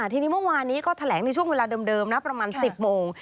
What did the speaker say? ทีนี้เมื่อวานนี้ก็แถลงในช่วงเวลาเดิมนะประมาณ๑๐โมง